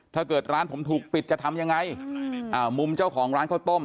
ถ้าเกิดร้านผมถูกปิดจะทำยังไงอ่ามุมเจ้าของร้านข้าวต้ม